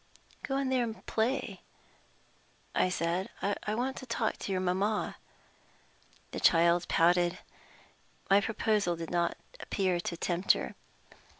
"Go in there and play," I said. "I want to talk to your mamma." The child pouted: my proposal did not appear to tempt her.